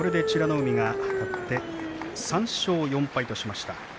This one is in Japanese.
海が勝って３勝４敗としました。